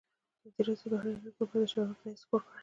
ازادي راډیو د بهرنۍ اړیکې لپاره د چارواکو دریځ خپور کړی.